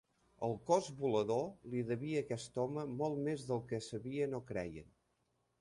El Cos Volador li devia a aquest home molt més del que sabien o creien.